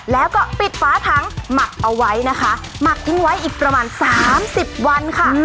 แล้วก็ปิดฝาถังหมักเอาไว้นะคะหมักทิ้งไว้อีกประมาณสามสิบวันค่ะ